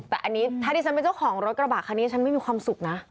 แต่อันนี้ถ้าดิฉันเป็นเจ้าของรถกระบะคันนี้ฉันไม่มีความสุขนะ